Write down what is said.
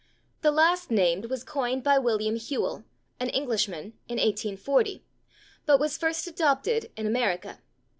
The last named was coined by William Whewell, an Englishman, in 1840, but was first adopted in America.